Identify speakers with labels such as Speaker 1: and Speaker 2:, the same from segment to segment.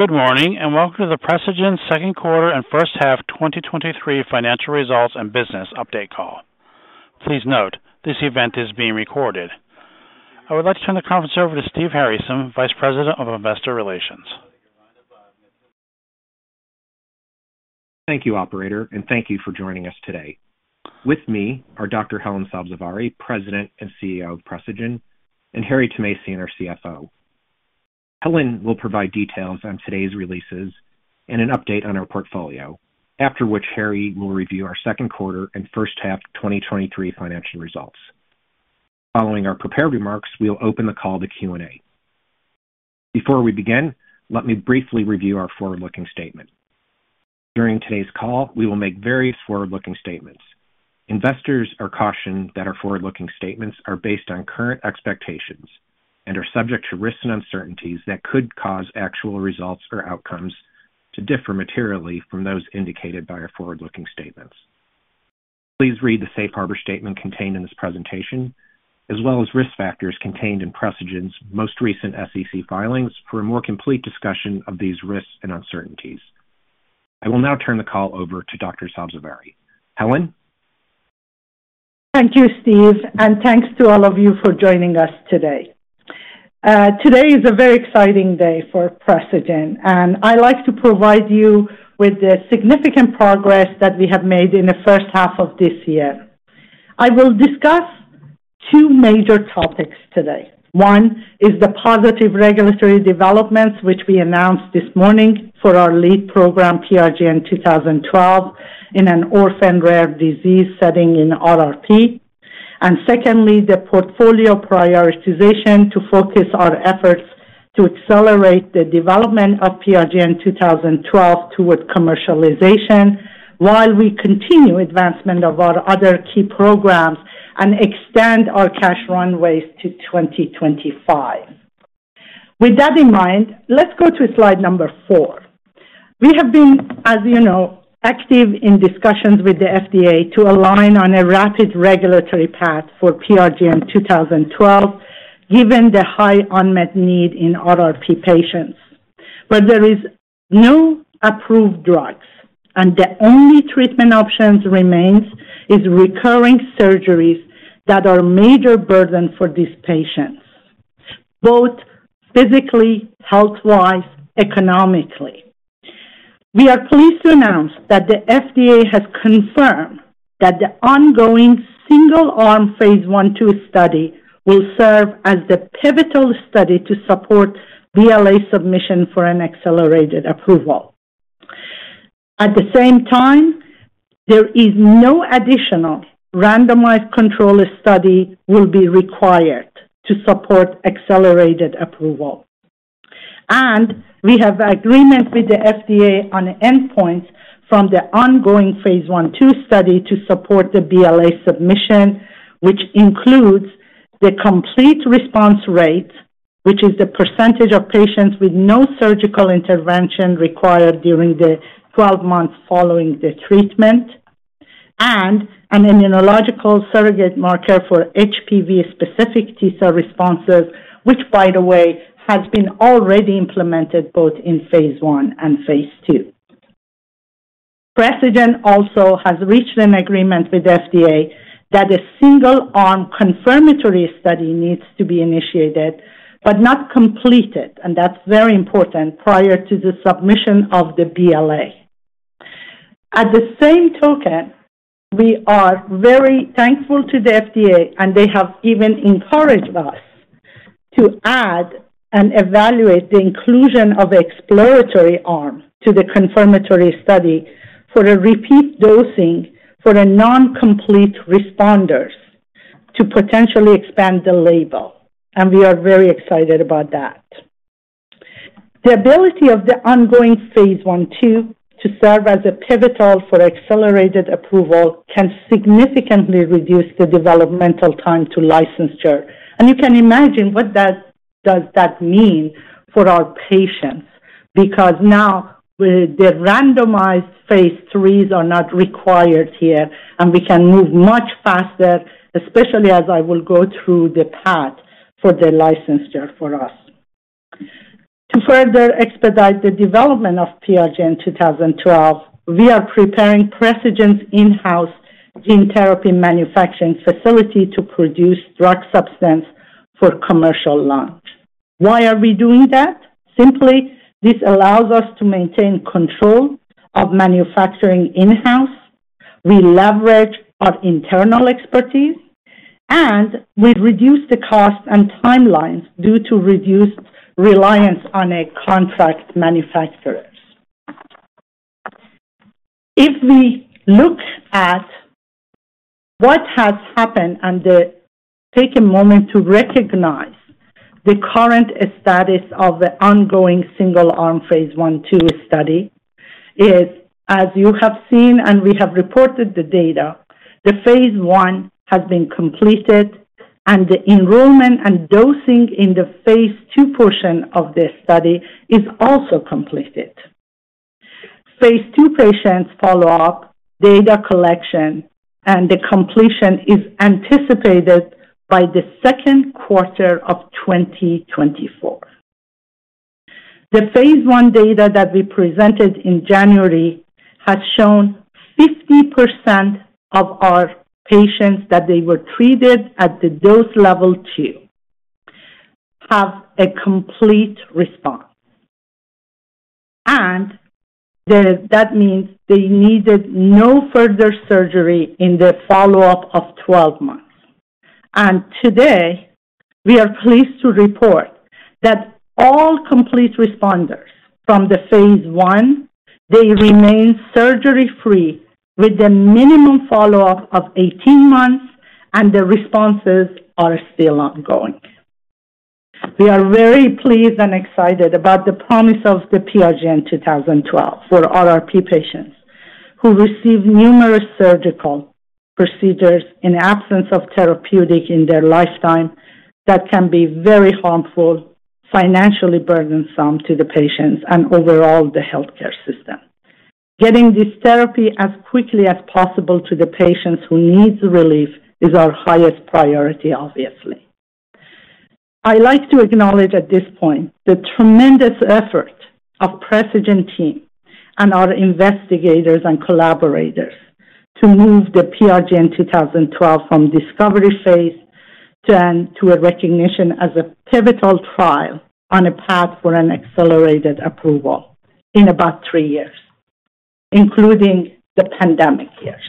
Speaker 1: Good morning, and welcome to the Precigen Second Quarter and First Half 2023 Financial Results and Business Update Call. Please note, this event is being recorded. I would like to turn the conference over to Steve Harasym, Vice President, Investor Relations.
Speaker 2: Thank you, operator. Thank you for joining us today. With me are Dr. Helen Sabzevari, President and CEO of Precigen, and Harry Thomasian, our CFO. Helen will provide details on today's releases and an update on our portfolio, after which Harry will review our second quarter and first half 2023 financial results. Following our prepared remarks, we will open the call to Q&A. Before we begin, let me briefly review our forward-looking statement. During today's call, we will make various forward-looking statements. Investors are cautioned that our forward-looking statements are based on current expectations and are subject to risks and uncertainties that could cause actual results or outcomes to differ materially from those indicated by our forward-looking statements. Please read the safe harbor statement contained in this presentation, as well as risk factors contained in Precigen's most recent SEC filings for a more complete discussion of these risks and uncertainties. I will now turn the call over to Dr. Sabzevari. Helen?
Speaker 3: Thank you, Steve, and thanks to all of you for joining us today. Today is a very exciting day for Precigen, and I'd like to provide you with the significant progress that we have made in the first half of this year. I will discuss two major topics today. One is the positive regulatory developments, which we announced this morning for our lead program, PRGN-2012, in an orphan rare disease setting in RRP. Secondly, the portfolio prioritization to focus our efforts to accelerate the development of PRGN-2012 towards commercialization, while we continue advancement of our other key programs and extend our cash runways to 2025. With that in mind, let's go to slide number four. We have been, as you know, active in discussions with the FDA to align on a rapid regulatory path for PRGN-2012, given the high unmet need in RRP patients. There is no approved drugs, and the only treatment options remains is recurring surgeries that are a major burden for these patients, both physically, health-wise, economically. We are pleased to announce that the FDA has confirmed that the ongoing single-arm phase I and II study will serve as the pivotal study to support BLA submission for an accelerated approval. At the same time, there is no additional randomized control study will be required to support accelerated approval. We have agreement with the FDA on the endpoints from the ongoing phase I and II study to support the BLA submission, which includes the complete response rate, which is the percentage of patients with no surgical intervention required during the 12 months following the treatment, and an immunological surrogate marker for HPV-specific T-cell responses, which, by the way, has been already implemented both in phase I and phase II. Precigen also has reached an agreement with FDA that a single-arm confirmatory study needs to be initiated but not completed, and that's very important, prior to the submission of the BLA. At the same token, we are very thankful to the FDA, and they have even encouraged us to add and evaluate the inclusion of the exploratory arm to the confirmatory study for a repeat dosing for the non-complete responders to potentially expand the label. We are very excited about that. The ability of the ongoing phase I and II to serve as a pivotal for accelerated approval can significantly reduce the developmental time to licensure. You can imagine what that does that mean for our patients, because now the randomized phase III are not required here, and we can move much faster, especially as I will go through the path for the licensure for us. To further expedite the development of PRGN-2012, we are preparing Precigen's in-house gene therapy manufacturing facility to produce drug substance for commercial launch. Why are we doing that? Simply, this allows us to maintain control of manufacturing in-house. We leverage our internal expertise, and we reduce the cost and timelines due to reduced reliance on a contract manufacturers. If we look at what has happened and take a moment to recognize the current status of the ongoing single-arm phase I and II study, is, as you have seen and we have reported the data, the phase I has been completed and the enrollment and dosing in the phase II portion of this study is also completed. phase II patients follow-up, data collection, and the completion is anticipated by the second quarter of 2024. The phase I data that we presented in January has shown 50% of our patients, that they were treated at the dose level two, have a complete response, and that means they needed no further surgery in the follow-up of 12 months. Today, we are pleased to report that all complete responders from the phase I, they remain surgery-free with the minimum follow-up of 18 months, and the responses are still ongoing. We are very pleased and excited about the promise of the PRGN-2012 for RRP patients who receive numerous surgical procedures in absence of therapeutic in their lifetime. That can be very harmful, financially burdensome to the patients and overall, the healthcare system. Getting this therapy as quickly as possible to the patients who needs relief is our highest priority, obviously. I like to acknowledge at this point the tremendous effort of Precigen team and our investigators and collaborators to move the PRGN-2012 from discovery phase to a recognition as a pivotal trial on a path for an accelerated approval in about 3 years, including the pandemic years.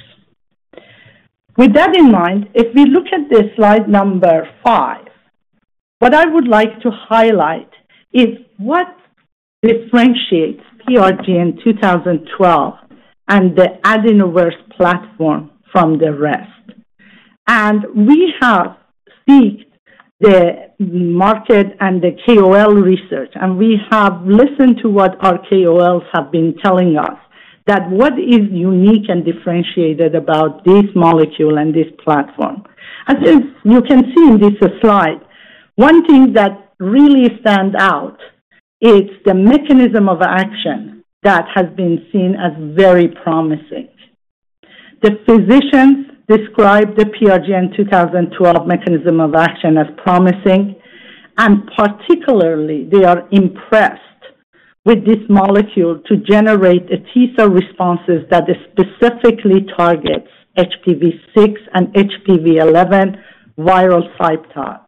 Speaker 3: With that in mind, if we look at the slide number five, what I would like to highlight is what differentiates PRGN-2012 and the AdenoVerse platform from the rest. We have seeked the market and the KOL research, and we have listened to what our KOLs have been telling us, that what is unique and differentiated about this molecule and this platform? As is, you can see in this slide, one thing that really stand out is the mechanism of action that has been seen as very promising. The physicians describe the PRGN-2012 mechanism of action as promising, and particularly, they are impressed with this molecule to generate a T-cell responses that specifically targets HPV 6 and HPV 11 viral type type,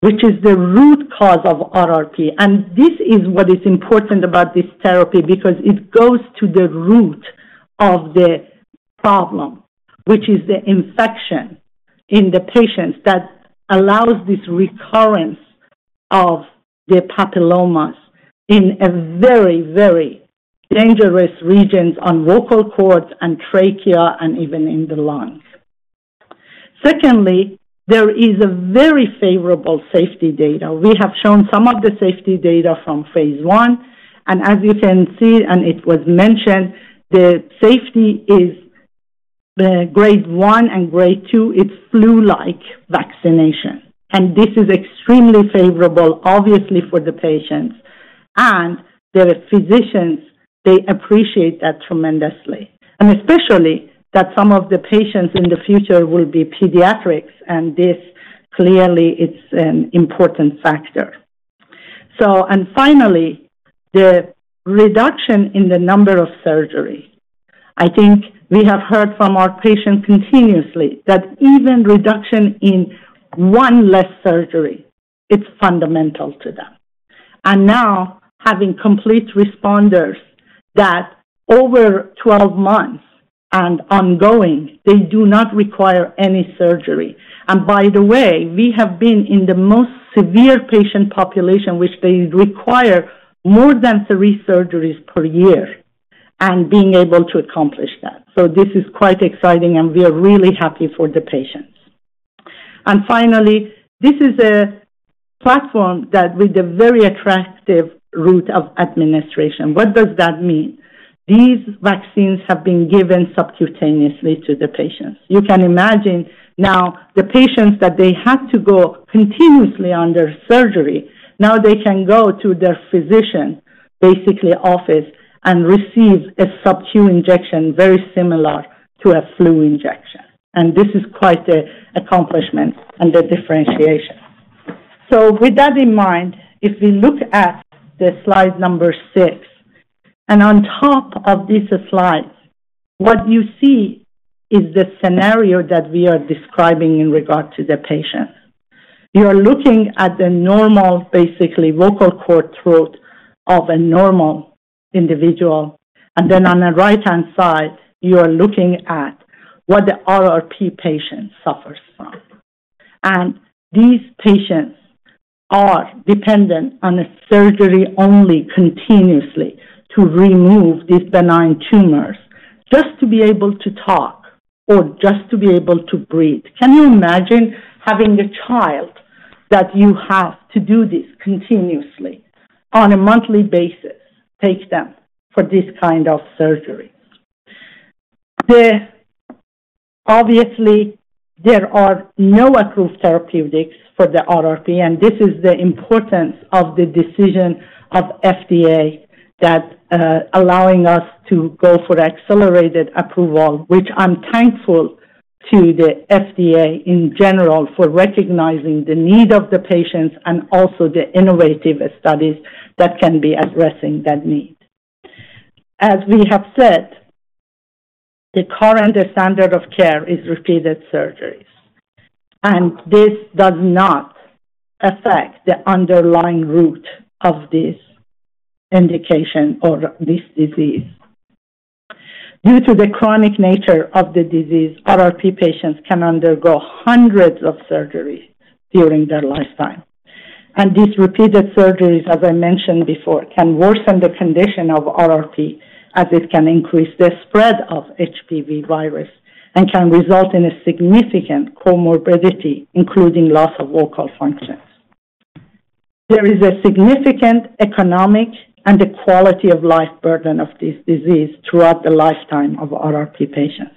Speaker 3: which is the root cause of RRP. This is what is important about this therapy, because it goes to the root of the problem, which is the infection in the patients that allows this recurrence of the papillomas in a very, very dangerous regions on vocal cords and trachea and even in the lungs. Secondly, there is a very favorable safety data. We have shown some of the safety data from phase I, and as you can see, and it was mentioned, the safety is grade 1 and grade 2. It's flu-like vaccination. This is extremely favorable, obviously, for the patients, and the physicians, they appreciate that tremendously. Especially that some of the patients in the future will be pediatrics, and this clearly, it's an important factor. Finally, the reduction in the number of surgery. I think we have heard from our patients continuously that even reduction in 1 less surgery, it's fundamental to them. Now, having complete responders that over 12 months and ongoing, they do not require any surgery. By the way, we have been in the most severe patient population, which they require more than three surgeries per year, and being able to accomplish that. This is quite exciting, and we are really happy for the patients. Finally, this is a platform that with a very attractive route of administration. What does that mean? These vaccines have been given subcutaneously to the patients. You can imagine now the patients, that they have to go continuously under surgery, now they can go to their physician, basically office, and receive a subcu injection, very similar to a flu injection, and this is quite a accomplishment and a differentiation. With that in mind, if we look at the slide number six, on top of this slide, what you see is the scenario that we are describing in regard to the patient. You are looking at the normal, basically, vocal cord throat of a normal individual, then on the right-hand side, you are looking at what the RRP patient suffers from. These patients are dependent on a surgery only continuously to remove these benign tumors, just to be able to talk or just to be able to breathe. Can you imagine having a child that you have to do this continuously on a monthly basis, take them for this kind of surgery? The, obviously, there are no approved therapeutics for the RRP, and this is the importance of the decision of FDA that allowing us to go for accelerated approval, which I'm thankful to the FDA in general, for recognizing the need of the patients and also the innovative studies that can be addressing that need. As we have said, the current standard of care is repeated surgeries, and this does not affect the underlying root of this indication or this disease. Due to the chronic nature of the disease, RRP patients can undergo hundreds of surgeries during their lifetime, and these repeated surgeries, as I mentioned before, can worsen the condition of RRP, as it can increase the spread of HPV virus and can result in a significant comorbidity, including loss of vocal functions. There is a significant economic and quality of life burden of this disease throughout the lifetime of RRP patients.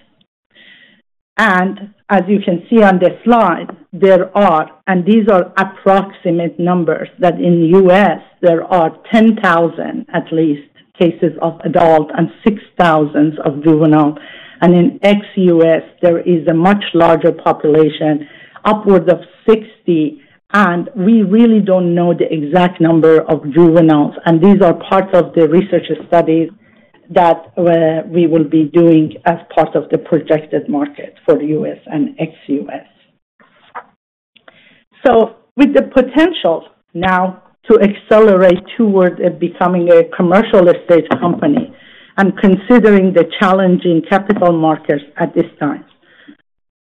Speaker 3: As you can see on the slide, there are, and these are approximate numbers, that in the U.S., there are 10,000, at least, cases of adult and 6,000 of juvenile. In ex U.S., there is a much larger population, upwards of 60, and we really don't know the exact number of juveniles. These are parts of the research studies that we will be doing as part of the projected market for the U.S. and ex-U.S. With the potential now to accelerate towards becoming a commercial estate company and considering the challenging capital markets at this time,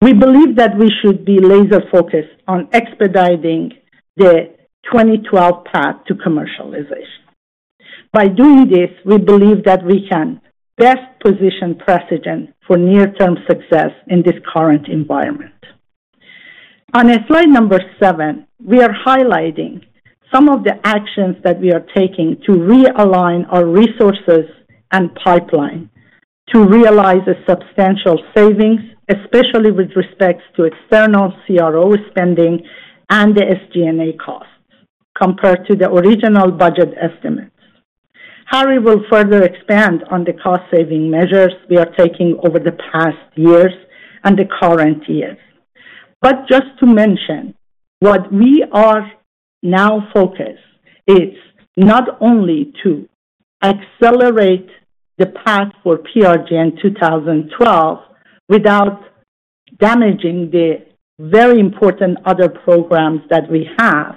Speaker 3: we believe that we should be laser-focused on expediting the 2012 path to commercialization. By doing this, we believe that we can best position Precigen for near-term success in this current environment. On slide number 7, we are highlighting some of the actions that we are taking to realign our resources and pipeline to realize a substantial savings, especially with respects to external CRO spending and the SG&A costs, compared to the original budget estimates. Harry will further expand on the cost-saving measures we are taking over the past years and the current years. Just to mention, what we are now focused is not only to accelerate the path for PRGN-2012 without damaging the very important other programs that we have,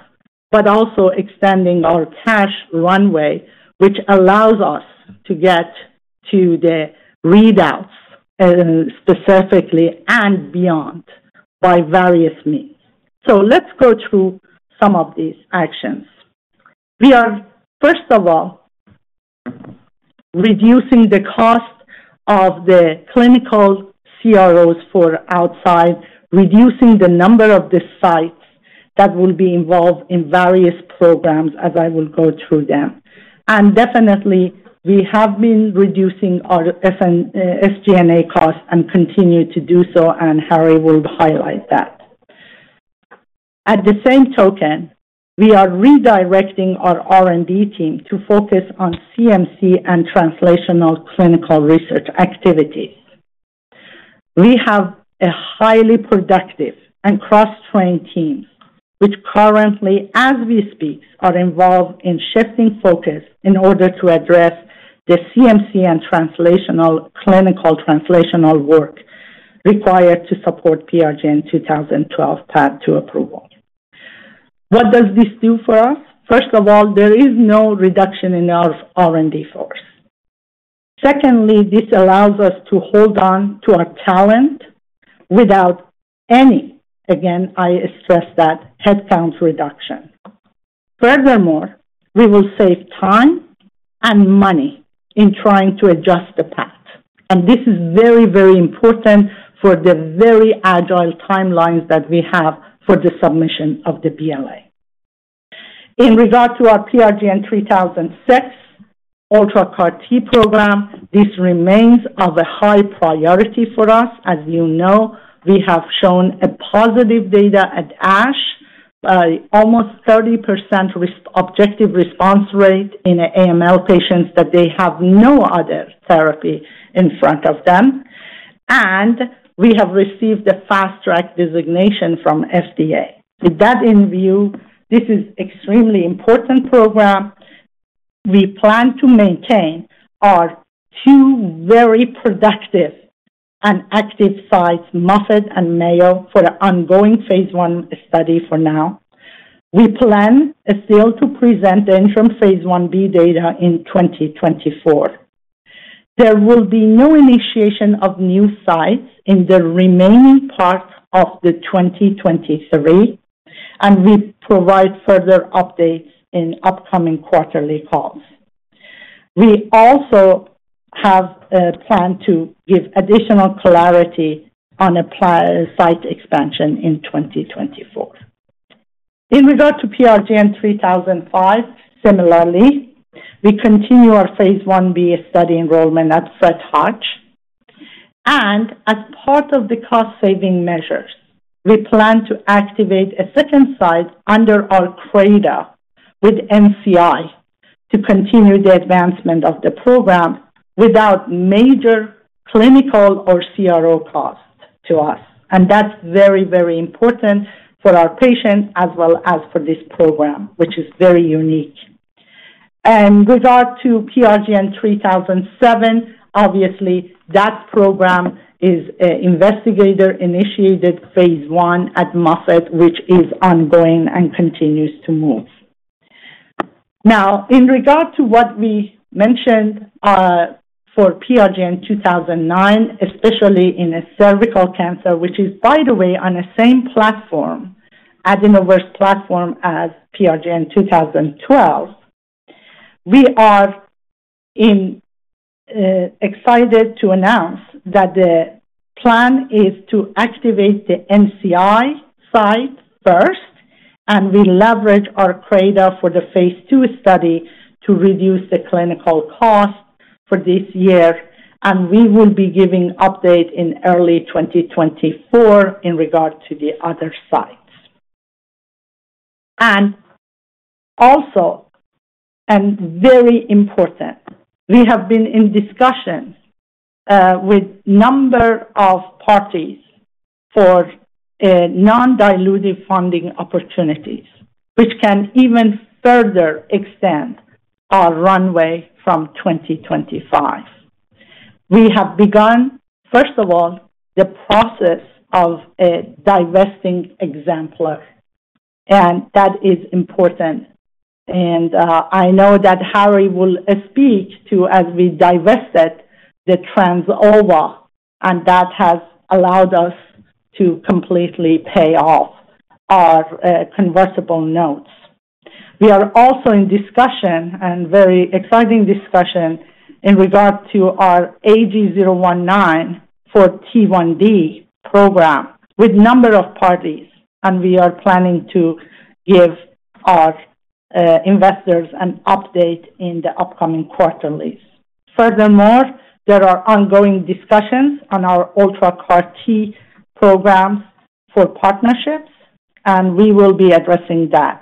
Speaker 3: but also extending our cash runway, which allows us to get to the readouts, specifically and beyond, by various means. Let's go through some of these actions. We are, first of all, reducing the cost of the clinical CROs for outside, reducing the number of the sites that will be involved in various programs, as I will go through them. Definitely, we have been reducing our SG&A costs and continue to do so, and Harry will highlight that. At the same token, we are redirecting our R&D team to focus on CMC and translational clinical research activities. We have a highly productive and cross-trained team, which currently, as we speak, are involved in shifting focus in order to address the CMC and translational, clinical translational work required to support PRGN-2012 path to approval. What does this do for us? First of all, there is no reduction in our R&D force. Secondly, this allows us to hold on to our talent without any, again, I stress that, headcount reduction. Furthermore, we will save time and money in trying to adjust the path, and this is very, very important for the very agile timelines that we have for the submission of the BLA. In regard to our PRGN-3006 UltraCAR-T program, this remains of a high priority for us. As you know, we have shown a positive data at ASH, by almost 30% objective response rate in AML patients, that they have no other therapy in front of them, and we have received a Fast Track designation from FDA. With that in view, this is extremely important program. We plan to maintain our two very productive and active sites, Moffitt and Mayo, for the ongoing phase I study for now. We plan still to present the interim phase Ib data in 2024. There will be no initiation of new sites in the remaining part of 2023. We provide further updates in upcoming quarterly calls. We also have a plan to give additional clarity on apply site expansion in 2024. In regard to PRGN-3005, similarly, we continue our phase Ia study enrollment at Fred Hutch. As part of the cost-saving measures, we plan to activate a second site under our CRADA with NCI to continue the advancement of the program without major clinical or CRO costs to us. That's very, very important for our patients as well as for this program, which is very unique. With regard to PRGN-3007, obviously, that program is investigator-initiated phase I at Moffitt, which is ongoing and continues to move. Now, in regard to what we mentioned, for PRGN-2009, especially in a cervical cancer, which is, by the way, on the same platform, adenovirus platform as PRGN-2012, we are excited to announce that the plan is to activate the NCI site first, and we leverage our CRADA for the phase II study to reduce the clinical costs for this year, and we will be giving update in early 2024 in regard to the other sites. Very important, we have been in discussions with number of parties for a non-dilutive funding opportunities, which can even further extend our runway from 2025. We have begun, first of all, the process of divesting Exemplar, and that is important. I know that Harry will speak to as we divested the Trans Ova, and that has allowed us to completely pay off our convertible notes. We are also in discussion, and very exciting discussion, in regard to our AG019 for T1D program with a number of parties, and we are planning to give our investors an update in the upcoming quarterlies. Furthermore, there are ongoing discussions on our UltraCAR-T programs for partnerships, and we will be addressing that.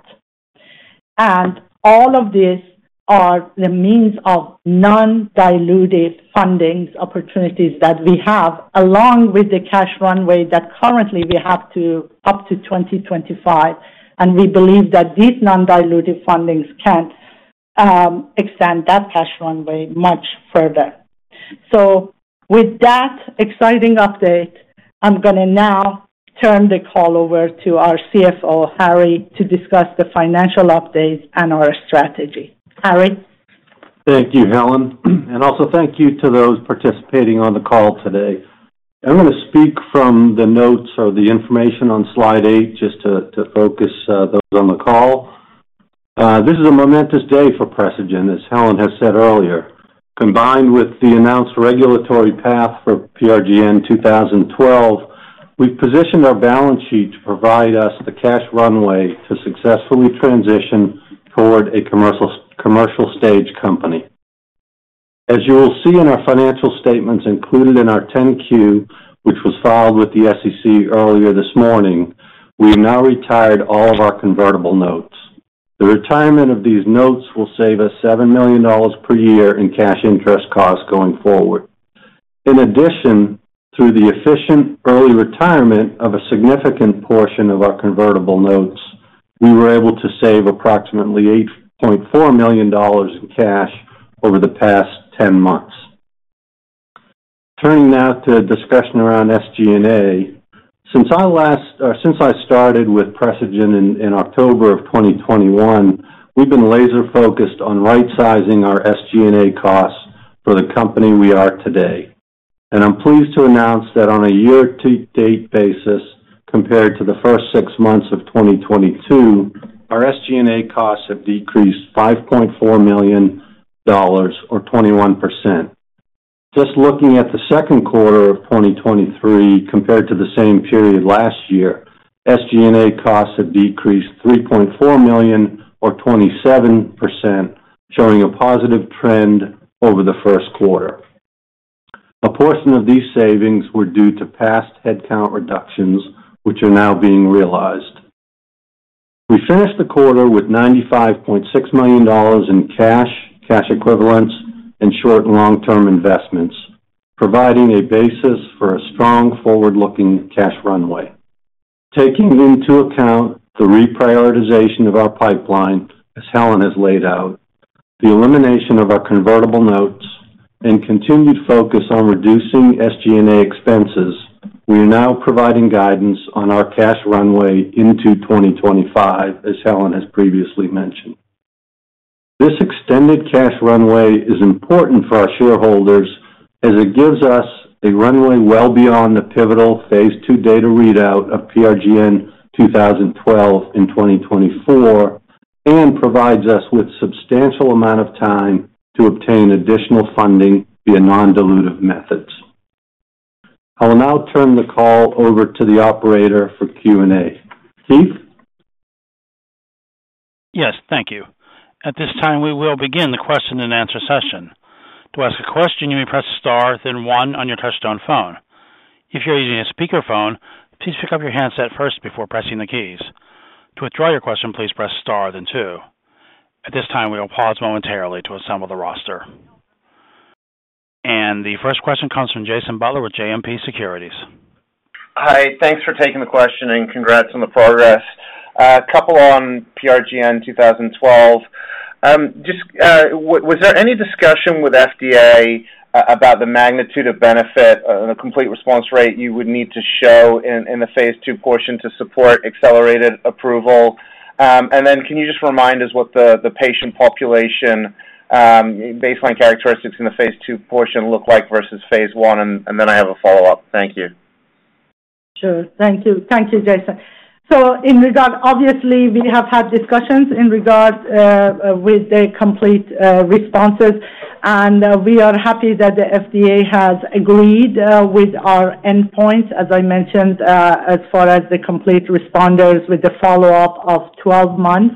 Speaker 3: All of these are the means of non-dilutive fundings opportunities that we have, along with the cash runway that currently we have to up to 2025, and we believe that these non-dilutive fundings can extend that cash runway much further. With that exciting update, I'm gonna now turn the call over to our CFO, Harry, to discuss the financial updates and our strategy. Harry?
Speaker 4: Thank you, Helen, and also thank you to those participating on the call today. I'm going to speak from the notes or the information on slide 8, just to focus those on the call. This is a momentous day for Precigen, as Helen has said earlier. Combined with the announced regulatory path for PRGN-2012, we've positioned our balance sheet to provide us the cash runway to successfully transition toward a commercial stage company. As you will see in our financial statements included in our 10-Q, which was filed with the SEC earlier this morning, we've now retired all of our convertible notes. The retirement of these notes will save us $7 million per year in cash interest costs going forward. In addition, through the efficient early retirement of a significant portion of our convertible notes, we were able to save approximately $8.4 million in cash over the past 10 months. Turning now to a discussion around SG&A. Since I started with Precigen in October of 2021, we've been laser-focused on right-sizing our SG&A costs for the company we are today, and I'm pleased to announce that on a year-to-date basis, compared to the first 6 months of 2022, our SG&A costs have decreased $5.4 million or 21%. Just looking at the second quarter of 2023, compared to the same period last year, SG&A costs have decreased $3.4 million or 27%, showing a positive trend over the first quarter. A portion of these savings were due to past headcount reductions, which are now being realized. We finished the quarter with $95.6 million in cash, cash equivalents, and short and long-term investments, providing a basis for a strong forward-looking cash runway. Taking into account the reprioritization of our pipeline, as Helen has laid out, the elimination of our convertible notes, and continued focus on reducing SG&A expenses, we are now providing guidance on our cash runway into 2025, as Helen has previously mentioned. This extended cash runway is important for our shareholders as it gives us a runway well beyond the pivotal phase II data readout of PRGN-2012 in 2024, and provides us with substantial amount of time to obtain additional funding via non-dilutive methods. I will now turn the call over to the operator for Q&A. Steve?
Speaker 1: Yes, thank you. At this time, we will begin the question-and-answer session. To ask a question, you may press star, then one on your touch-tone phone. If you're using a speakerphone, please pick up your handset first before pressing the keys. To withdraw your question, please press star, then two. At this time, we will pause momentarily to assemble the roster. The 1st question comes from Jason Butler with JMP Securities.
Speaker 5: Hi, thanks for taking the question, and congrats on the progress. A couple on PRGN-2012. Just was there any discussion with FDA about the magnitude of benefit or the complete response rate you would need to show in the phase two portion to support accelerated approval? Then can you just remind us what the patient population, baseline characteristics in the phase two portion look like versus phase one? Then I have a follow-up. Thank you.
Speaker 3: Sure. Thank you. Thank you, Jason. In regard, obviously, we have had discussions in regard with the complete responses, and we are happy that the FDA has agreed with our endpoints, as I mentioned, as far as the complete responders with the follow-up of 12 months.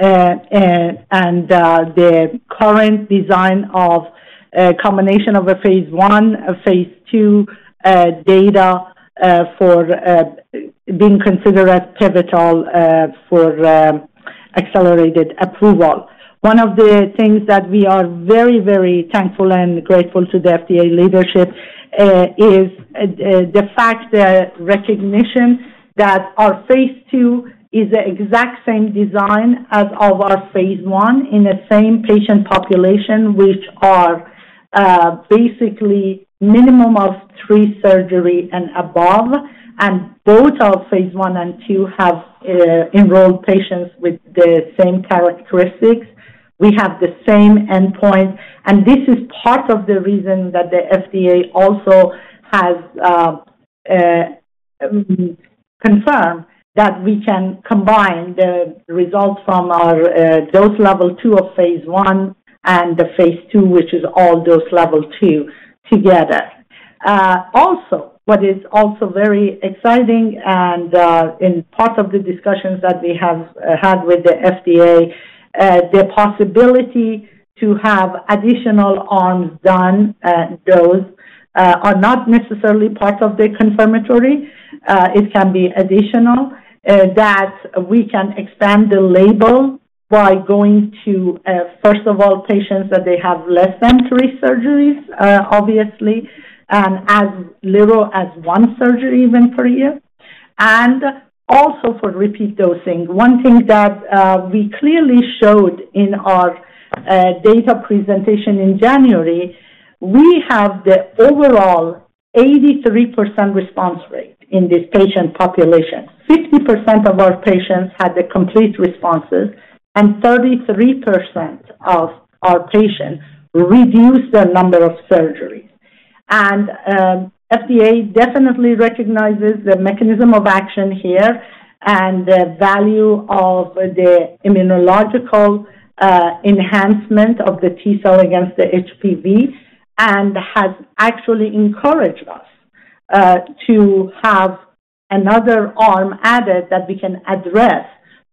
Speaker 3: The current design of a combination of a phase I, a phase II data for being considered as pivotal for accelerated approval. One of the things that we are very, very thankful and grateful to the FDA leadership is the fact that recognition that our phase II is the exact same design as of our phase I in the same patient population, which are basically minimum of threesurgery and above, and both our phase I and II have enrolled patients with the same characteristics. We have the same endpoint, and this is part of the reason that the FDA also has confirmed that we can combine the results from our dose level 2 of phase I and the phase II, which is all dose level 2 together. Also, what is also very exciting and in part of the discussions that we have had with the FDA, the possibility to have additional arms done, dose, are not necessarily part of the confirmatory, it can be additional, that we can expand the label by going to, first of all, patients that they have less than 3 surgeries, obviously, and as little as 1 surgery even per year, and also for repeat dosing. One thing that we clearly showed in our data presentation in January, we have the overall 83% response rate in this patient population. 50% of our patients had the complete responses, and 33% of our patients reduced the number of surgeries. FDA definitely recognizes the mechanism of action here and the value of the immunological enhancement of the T-cell against the HPV and has actually encouraged us to have another arm added that we can address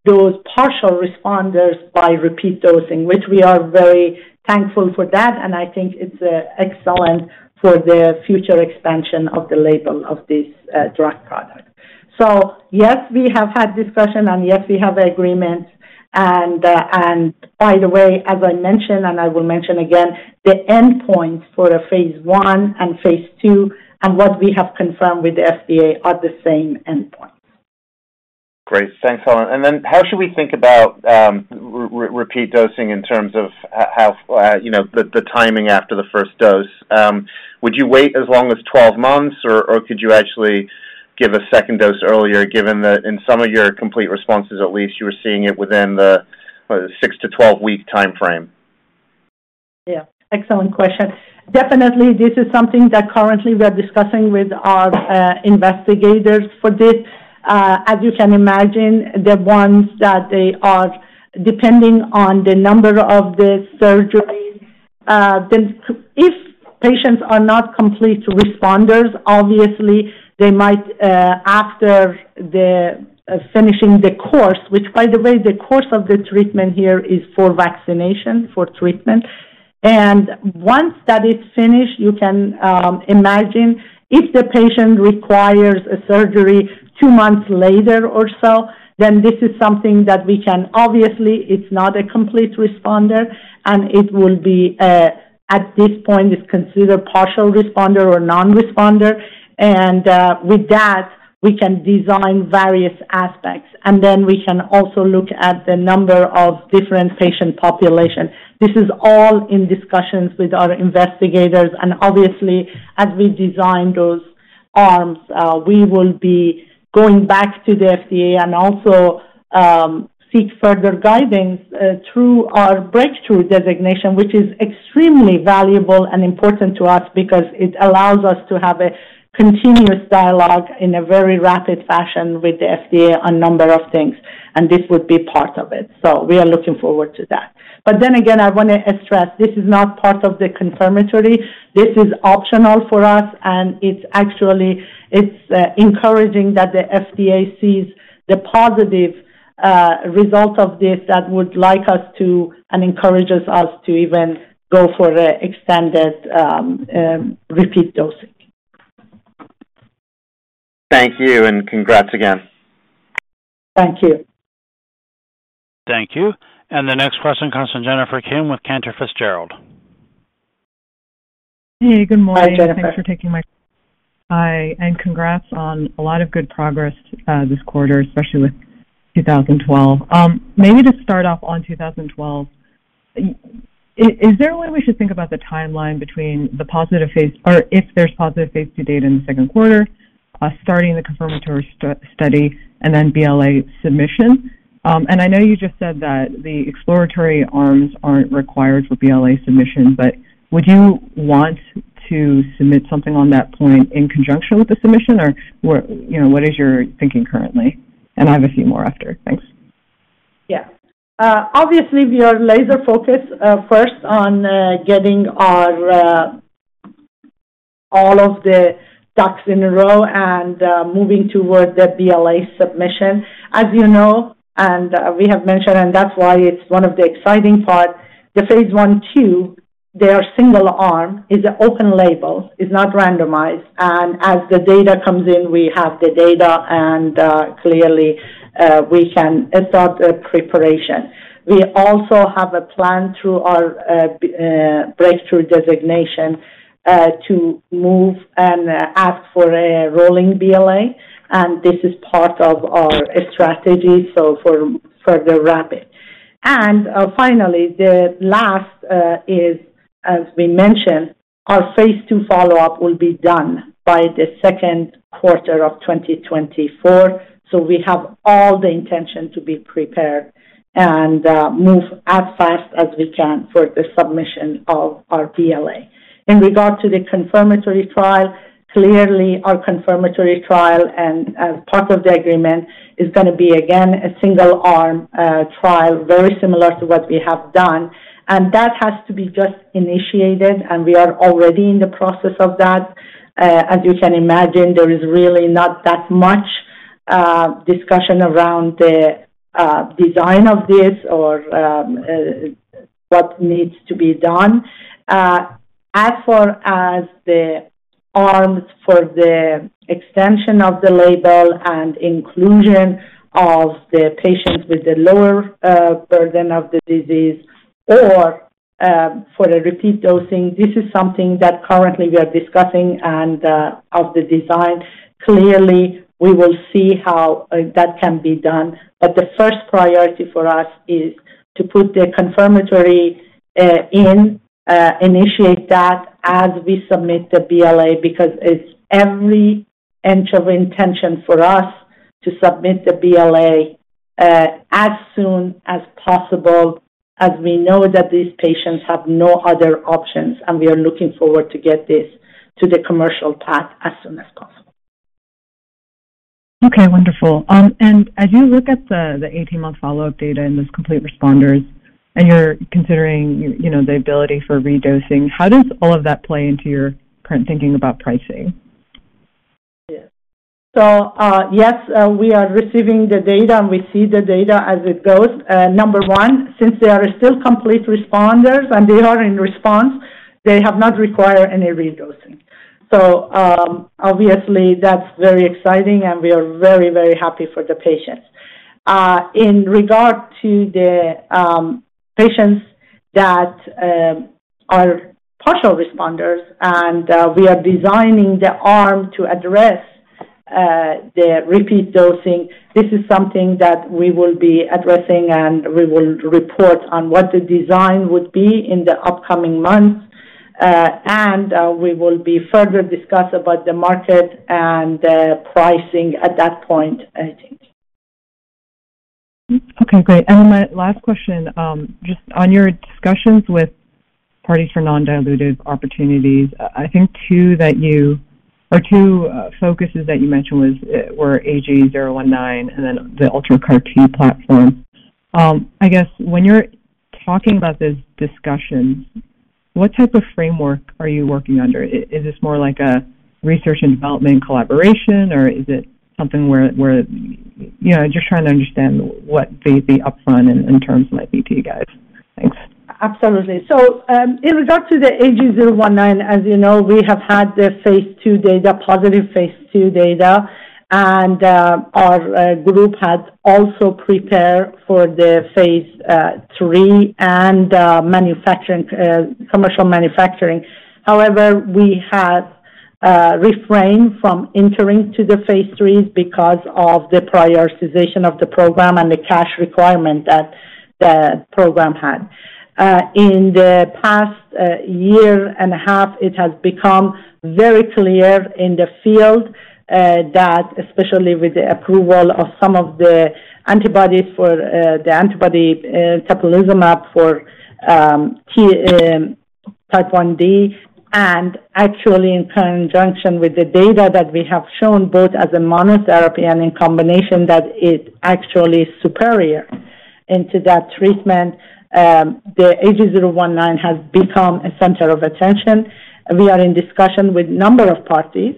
Speaker 3: those partial responders by repeat dosing, which we are very thankful for that, and I think it's excellent for the future expansion of the label of this drug product. Yes, we have had discussion, and yes, we have agreement. By the way, as I mentioned, and I will mention again, the endpoints for the phase one and phase two and what we have confirmed with the FDA are the same endpoints.
Speaker 5: Great. Thanks, all. Then how should we think about re-re-repeat dosing in terms of h-how, you know, the, the timing after the first dose? Would you wait as long as 12 months, or, or could you actually give a second dose earlier, given that in some of your complete responses, at least, you were seeing it within the, what, six to 12-week time frame?
Speaker 3: Yeah, excellent question. Definitely, this is something that currently we're discussing with our investigators for this. As you can imagine, the ones that they are depending on the number of the surgeries, then if patients are not complete responders, obviously, they might after the finishing the course, which, by the way, the course of the treatment here is for vaccination, for treatment. Once that is finished, you can imagine if the patient requires a surgery two months later or so, then this is something that we can... Obviously, it's not a complete responder, and it will be at this point, it's considered partial responder or non-responder. With that, we can design various aspects, and then we can also look at the number of different patient population. This is all in discussions with our investigators, and obviously, as we design those arms, we will be going back to the FDA and also, seek further guidance, through our Breakthrough Designation, which is extremely valuable and important to us because it allows us to have a continuous dialogue in a very rapid fashion with the FDA on number of things, and this would be part of it. We are looking forward to that. Then again, I want to stress, this is not part of the confirmatory. This is optional for us, and it's actually, it's, encouraging that the FDA sees the positive, result of this that would like us to, and encourages us to even go for the extended, repeat dosing.
Speaker 5: Thank you, and congrats again.
Speaker 3: Thank you.
Speaker 1: Thank you. The next question comes from Jennifer Kim with Cantor Fitzgerald.
Speaker 6: Hey, good morning.
Speaker 3: Hi, Jennifer.
Speaker 6: Thanks for taking my- Hi, and congrats on a lot of good progress this quarter, especially with PRGN-2012. Maybe to start off on PRGN-2012, is there a way we should think about the timeline between the positive phase or if there's positive phase II data in the second quarter, starting the confirmatory st- study and then BLA submission? I know you just said that the exploratory arms aren't required for BLA submission, but would you want to submit something on that point in conjunction with the submission, or where, you know, what is your thinking currently? I have a few more after. Thanks.
Speaker 3: Yeah. Obviously, we are laser-focused, first on getting our all of the ducks in a row and moving towards the BLA submission. As you know, we have mentioned, and that's why it's one of the exciting part, the phase I and II they are single arm, is open label, is not randomized, and as the data comes in, we have the data, and clearly, we can adopt a preparation. We also have a plan through our Breakthrough Designation to move and ask for a rolling BLA, and this is part of our strategy, so for the rapid. Finally, the last is, as we mentioned, our phase II follow-up will be done by the second quarter of 2024. We have all the intention to be prepared and move as fast as we can for the submission of our BLA. In regard to the confirmatory trial, clearly our confirmatory trial and, as part of the agreement, is gonna be, again, a single-arm trial, very similar to what we have done. And that has to be just initiated, and we are already in the process of that. As you can imagine, there is really not that much discussion around the design of this or what needs to be done. As for as the arms for the extension of the label and inclusion of the patients with the lower burden of the disease or for the repeat dosing, this is something that currently we are discussing and of the design. Clearly, we will see how that can be done, but the first priority for us is to put the confirmatory in initiate that as we submit the BLA. Because it's every inch of intention for us to submit the BLA as soon as possible, as we know that these patients have no other options. We are looking forward to get this to the commercial path as soon as possible.
Speaker 6: Okay, wonderful. As you look at the, the 18-month follow-up data and those complete responders, and you're considering, you, you know, the ability for redosing, how does all of that play into your current thinking about pricing?
Speaker 3: Yeah. Yes, we are receiving the data, and we see the data as it goes. Number one, since they are still complete responders and they are in response, they have not required any redosing. Obviously, that's very exciting, and we are very, very happy for the patients. In regard to the patients that are partial responders, and we are designing the arm to address the repeat dosing, this is something that we will be addressing, and we will report on what the design would be in the upcoming months. We will be further discuss about the market and the pricing at that point, I think.
Speaker 6: Okay, great. My last question, just on your discussions with parties for non-dilutive opportunities, I think two that you, or two, focuses that you mentioned was, were AG019 and then the UltraCAR-T platform. I guess when you're talking about this discussion, what type of framework are you working under? Is this more like a research and development collaboration, or is it something where, where, you know, just trying to understand what the, the upfront in, in terms might be to you guys. Thanks.
Speaker 3: Absolutely. In regard to the AG019, as you know, we have had the phase II data, positive phase II data, and our group had also prepared for the phase III and manufacturing, commercial manufacturing. However, we had refrained from entering to the phase III because of the prioritization of the program and the cash requirement that the program had. In the past year and a half, it has become very clear in the field that especially with the approval of some of the antibodies for the antibody, teplizumab for T1D, and actually in conjunction with the data that we have shown, both as a monotherapy and in combination, that is actually superior into that treatment, the AG019 has become a center of attention. We are in discussion with number of parties,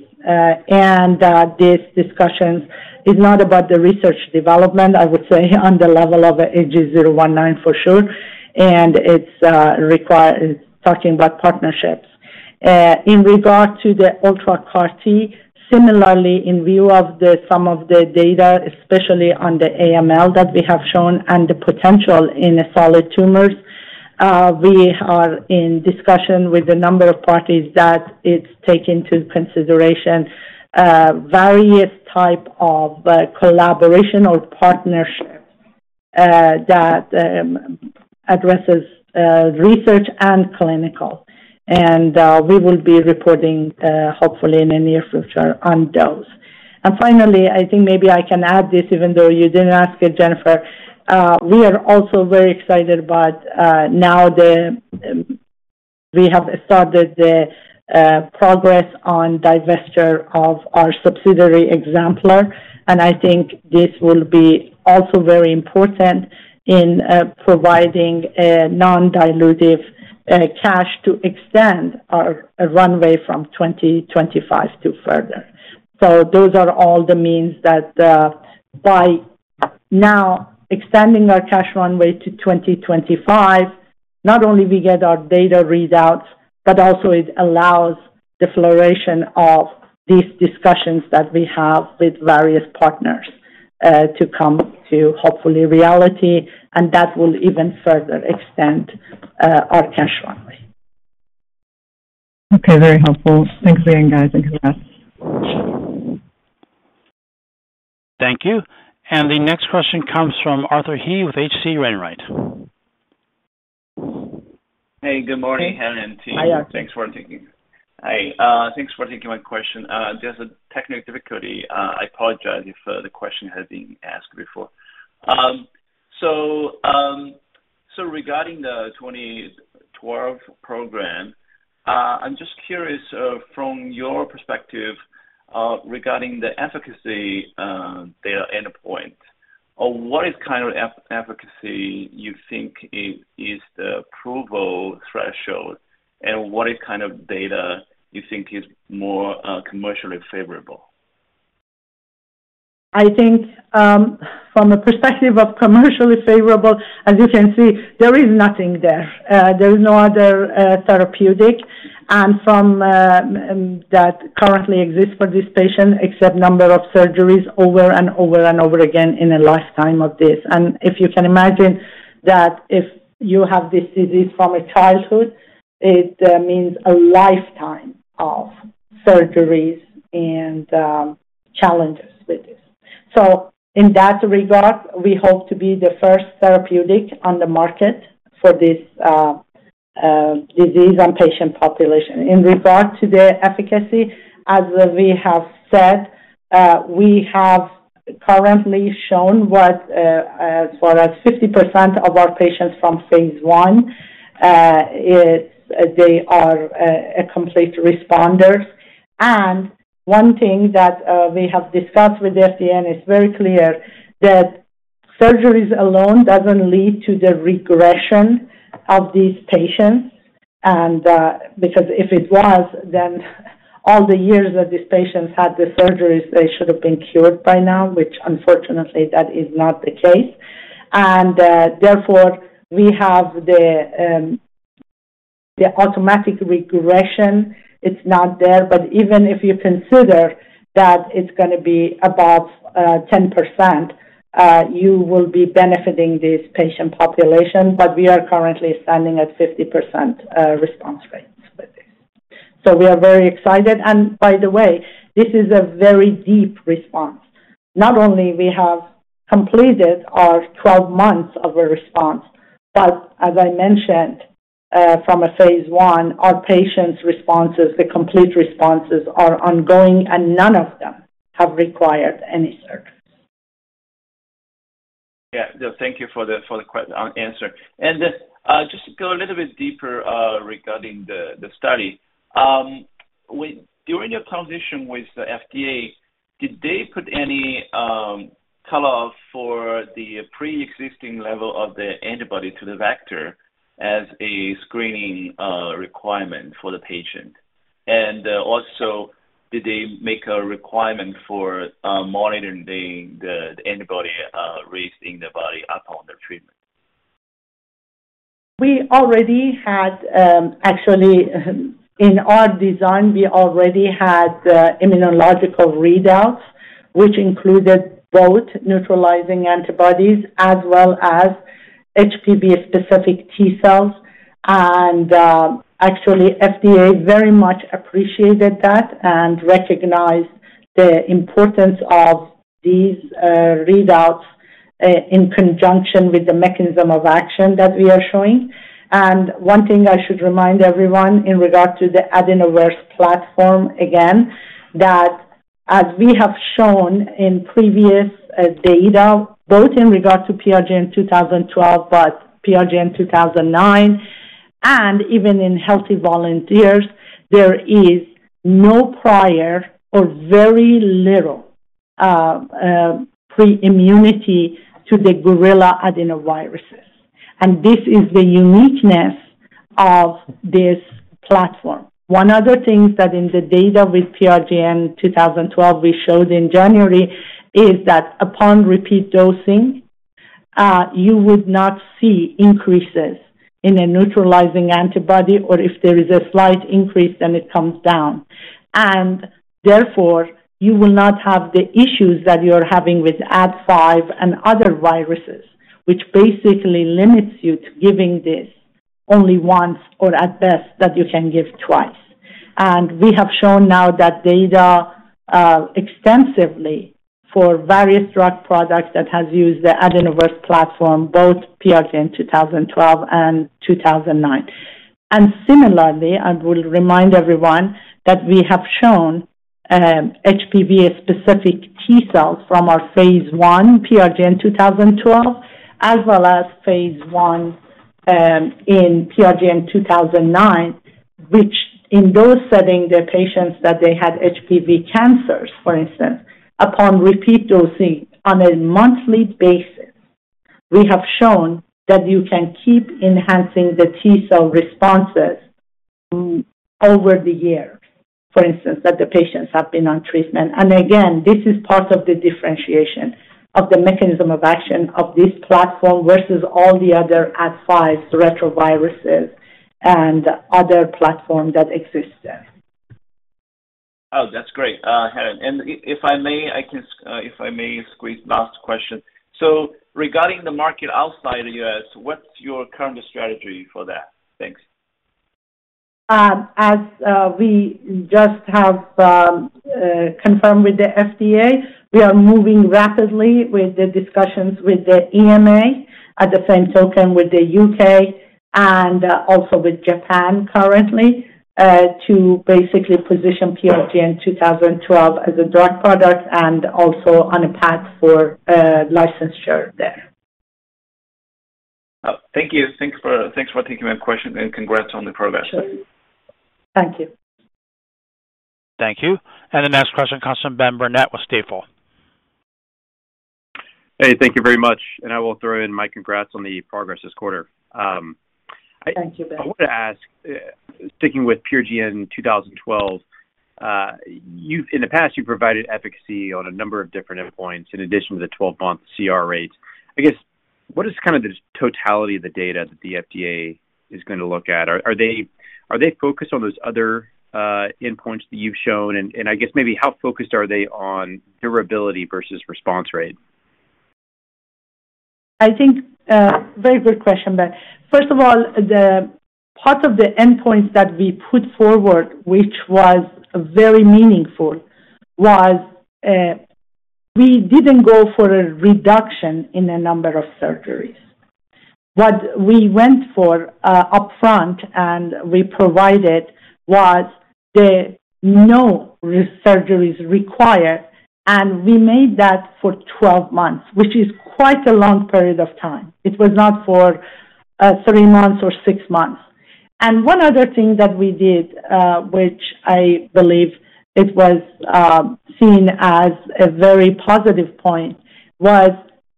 Speaker 3: these discussions is not about the research development, I would say, on the level of AG019, for sure, and it's talking about partnerships. In regard to the UltraCAR-T, similarly, in view of the some of the data, especially on the AML that we have shown and the potential in the solid tumors, we are in discussion with a number of parties that it's take into consideration, various type of, collaboration or partnership, that, addresses, research and clinical. We will be reporting, hopefully in the near future on those. Finally, I think maybe I can add this, even though you didn't ask it, Jennifer. we are also very excited about, now the, we have started the, progress on divestiture of our subsidiary Exemplar, and I think this will be also very important in, providing a non-dilutive, cash to extend our runway from 2025 to further. Those are all the means that, by now extending our cash runway to 2025, not only we get our data readouts, but also it allows the fluctuation of these discussions that we have with various partners, to come to hopefully reality, and that will even further extend, our cash runway.
Speaker 6: Okay, very helpful. Thanks again, guys, and have a best.
Speaker 1: Thank you. The next question comes from Arthur He with H.C. Wainwright.
Speaker 7: Hey, good morning, Helen and team.
Speaker 3: Hi, Arthur.
Speaker 7: Hi, thanks for taking my question. Just a technical difficulty, I apologize if the question has been asked before. So regarding the PRGN-2012 program, I'm just curious, from your perspective, regarding the efficacy, data endpoint, what is kind of efficacy you think is, is the approval threshold? What kind of data you think is more commercially favorable?
Speaker 3: I think, from a perspective of commercially favorable, as you can see, there is nothing there. There is no other therapeutic, and from that currently exists for this patient, except number of surgeries over and over and over again in a lifetime of this. If you can imagine that if you have this disease from a childhood, it means a lifetime of surgeries and challenges with this. In that regard, we hope to be the first therapeutic on the market for this disease and patient population. In regard to the efficacy, as we have said, we have currently shown what, as far as 50% of our patients from phase I, they are a complete responders. One thing that we have discussed with the FDA, and it's very clear, that surgeries alone doesn't lead to the regression of these patients, and because if it was, then all the years that these patients had the surgeries, they should have been cured by now, which unfortunately, that is not the case. Therefore, we have the the automatic regression. It's not there, but even if you consider that it's gonna be about 10%, you will be benefiting this patient population, but we are currently standing at 50%, response rates with this. We are very excited, and by the way, this is a very deep response. Not only we have completed our 12 months of a response, but as I mentioned, from a phase I, our patients' responses, the complete responses, are ongoing and none of them have required any surgery.
Speaker 7: Yeah. Thank you for the, for the answer. Just to go a little bit deeper, regarding the, the study, when during your conversation with the FDA, did they put any, cutoff for the preexisting level of the antibody to the vector as a screening, requirement for the patient? Also, did they make a requirement for, monitoring the, the antibody, raised in the body upon the treatment?
Speaker 3: Actually, in our design, we already had immunological readouts, which included both neutralizing antibodies as well as HPV-specific T-cells. Actually, FDA very much appreciated that and recognized the importance of these readouts in conjunction with the mechanism of action that we are showing. One thing I should remind everyone in regard to the adenovirus platform, again, that as we have shown in previous data, both in regard to PRGN-2012, but PRGN-2009. Even in healthy volunteers, there is no prior or very little pre-immunity to the gorilla adenoviruses, and this is the uniqueness of this platform. One other thing that in the data with PRGN-2012 we showed in January, is that upon repeat dosing, you would not see increases in a neutralizing antibody, or if there is a slight increase, then it comes down. Therefore, you will not have the issues that you're having with Ad5 and other viruses, which basically limits you to giving this only once or at best, that you can give twice. We have shown now that data extensively for various drug products that has used the AdenoVerse platform, both PRGN-2012 and PRGN-2009. Similarly, I will remind everyone that we have shown HPV-specific T-cells from our phase I PRGN-2012, as well as phase I in PRGN-2009, which in those setting, the patients that they had HPV cancers, for instance, upon repeat dosing on a monthly basis, we have shown that you can keep enhancing the T-cell responses over the year, for instance, that the patients have been on treatment. Again, this is part of the differentiation of the mechanism of action of this platform versus all the other Ad5, the retroviruses and other platform that exists there.
Speaker 7: Oh, that's great, Helen. If I may, I can, if I may squeeze last question? Regarding the market outside the US, what's your current strategy for that? Thanks.
Speaker 3: As we just have confirmed with the FDA, we are moving rapidly with the discussions with the EMA, at the same token, with the UK and also with Japan currently, to basically position PRGN-2012 as a drug product and also on a path for licensure there.
Speaker 7: Oh, thank you. Thanks for, thanks for taking my question, and congrats on the progress.
Speaker 3: Thank you.
Speaker 1: Thank you. The next question comes from Ben Burnett with Stifel.
Speaker 8: Hey, thank you very much, and I will throw in my congrats on the progress this quarter.
Speaker 3: Thank you, Ben.
Speaker 8: I want to ask, sticking with PRGN-2012, in the past, you've provided efficacy on a number of different endpoints in addition to the 12-month CR rates. I guess, what is kind of the totality of the data that the FDA is going to look at? Are they focused on those other endpoints that you've shown? I guess maybe how focused are they on durability versus response rate?
Speaker 3: I think, very good question, Ben. First of all, the part of the endpoint that we put forward, which was very meaningful, was, we didn't go for a reduction in the number of surgeries. What we went for, upfront, and we provided, was the no resurgeries required, and we made that for 12 months, which is quite a long period of time. It was not for, three months or six months. One other thing that we did, which I believe it was seen as a very positive point, was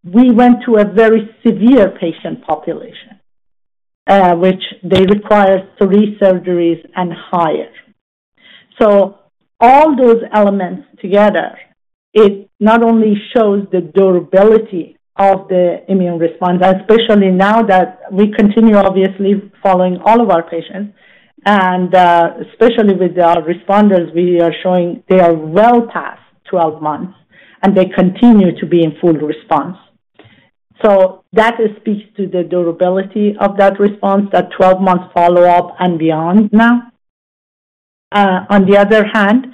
Speaker 3: we went to a very severe patient population, which they required three surgeries and higher. All those elements together, it not only shows the durability of the immune response, especially now that we continue, obviously, following all of our patients, and especially with our responders, we are showing they are well past 12 months, and they continue to be in full response. That speaks to the durability of that response, that 12-month follow-up and beyond now. On the other hand,